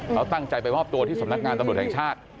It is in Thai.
เขาตั้งใจไปมอบตัวที่สำนักงานตำรวจแห่งชาติ